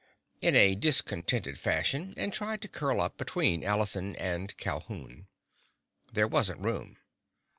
in a discontented fashion and tried to curl up between Allison and Calhoun. There wasn't room.